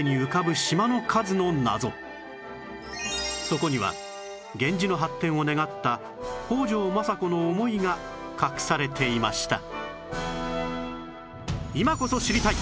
そこには源氏の発展を願った北条政子の思いが隠されていました